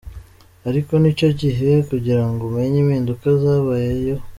Ariko nicyo gihe kugirango umenye impinduka zabayeho.